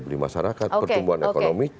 beli masyarakat pertumbuhan ekonomi